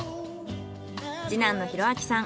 次男の浩晃さん